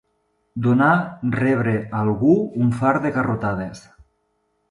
Donar, rebre, algú un fart de garrotades.